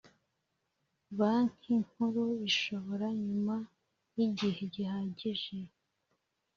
Banki nkuru ishobora nyuma y igihegihagije